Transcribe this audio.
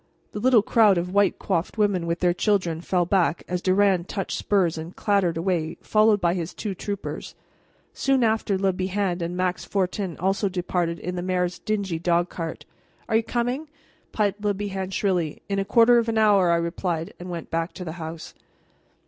The little crowd of white coiffed women with their children fell back as Durand touched spurs and clattered away followed by his two troopers. Soon after Le Bihan and Max Fortin also departed in the mayor's dingy dog cart. "Are you coming?" piped Le Bihan shrilly. "In a quarter of an hour," I replied, and went back to the house.